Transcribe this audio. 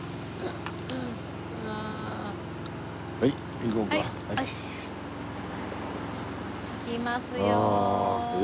行きますよ。